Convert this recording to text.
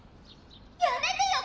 やめてよ！